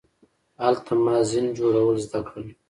هلته ما زین جوړول زده کړل.